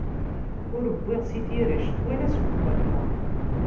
Ur wwiɣ si tirect, wala seg ukerfa.